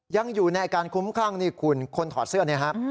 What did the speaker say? ยังอยู่ในอาการคุ้มข้างคุณคนถอดเสื้อเนี่ยครับ